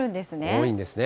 多いんですね。